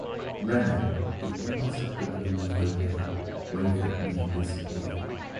Renée, who imperceptibly moved away, waved at me and disappeared.